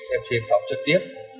xem trên sóng trực tiếp